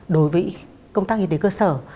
đối với công tác y tế cơ sở